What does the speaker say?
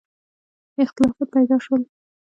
اختلافات پیدا شول.